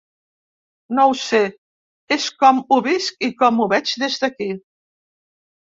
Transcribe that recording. No ho sé, és com ho visc i com ho veig des d’aquí.